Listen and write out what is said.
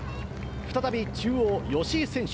再び中央、吉居選手。